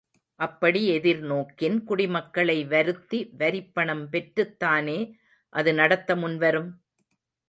அப்படி எதிர்நோக்கின் குடிமக்களை வருத்தி வரிப்பணம் பெற்றுத்தானே அது நடத்த முன்வரும்?